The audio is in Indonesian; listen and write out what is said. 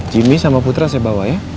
jimmy sama putra saya bawa ya